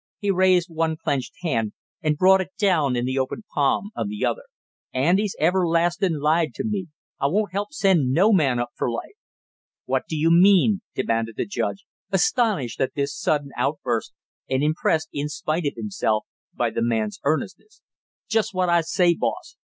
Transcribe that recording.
He raised one clenched hand and brought it down in the opened palm of the other. "Andy's everlastingly lied to me; I won't help send no man up for life!" "What do you mean?" demanded the judge, astonished at this sudden outburst, and impressed, in spite of himself, by the man's earnestness. "Just what I say, boss!